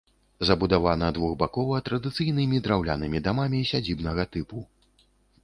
Забудавана двухбакова традыцыйнымі драўлянымі дамамі сядзібнага тыпу.